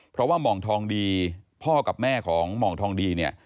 เพราะว่าหม่องทองดีพ่อกับแม่ของหม่องทองดีเนี่ย